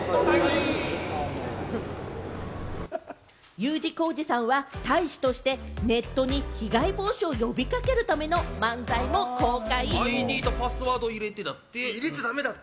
Ｕ字工事さんは大使として、ネットに被害防止を呼びかけるための漫才も公開。